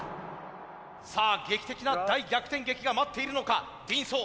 さあ劇的な大逆転劇が待っているのかＤンソー。